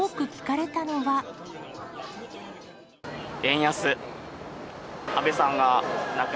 円安。